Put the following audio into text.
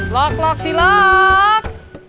lak lak silak